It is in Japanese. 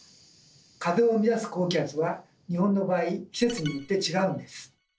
風を生み出す高気圧は日本の場合季節によって違うんです。